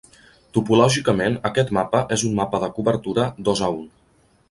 Topològicament, aquest mapa és un mapa de cobertura dos a un.